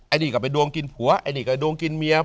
ไอ้นี่กลับไปดวงกินผัวไอ้นี่กลับไปดวงกินเมีย